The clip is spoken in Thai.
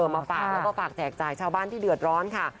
มาฝากแล้วก็ฝากแจกจ่ายชาวบ้านที่เดือดร้อนค่ะ